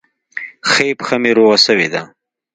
ښۍ پښه مې روغه سوې وه.